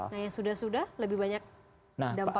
nah yang sudah sudah lebih banyak dampak apa